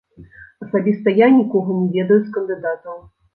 Асабіста я нікога не ведаю з кандыдатаў.